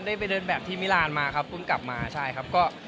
ก็ได้ไปเดินแบตที่มิราณมาขึ้นกลับมา